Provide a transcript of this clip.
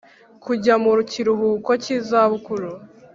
kujya mu kiruhuko cy’izabukuru